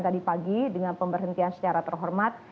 tadi pagi dengan pemberhentian secara terhormat